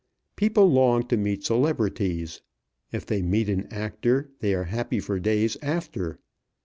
People long to meet celebrities. If they meet an actor, they are happy for days after.